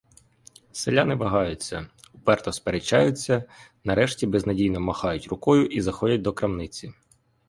Селяни вагаються, уперто сперечаються, нарешті безнадійно махають рукою і заходять до крамниці.